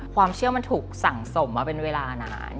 ความเชื่อมันถูกสั่งสมมาเป็นเวลานาน